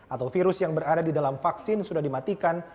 atau virus yang berada di dalam vaksin sudah dimatikan